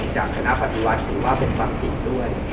จากคณะปฏิวัติถือว่าเป็นความผิดด้วย